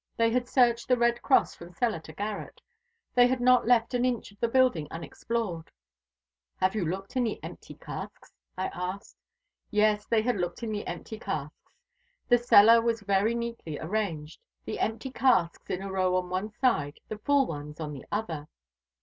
They had searched the Red Cross from cellar to garret, they had not left an inch of the building unexplored. 'Have you looked in the empty casks?' I asked. Yes, they had looked in the empty casks. The cellar was very neatly arranged, the empty casks in a row on one side, the full ones on the other.